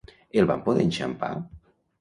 El van poder enxampar?